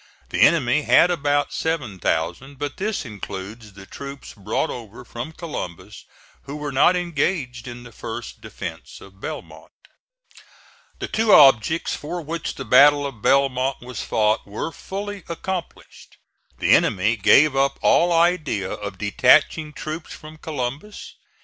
The enemy had about 7,000; but this includes the troops brought over from Columbus who were not engaged in the first defence of Belmont. The two objects for which the battle of Belmont was fought were fully accomplished. The enemy gave up all idea of detaching troops from Columbus.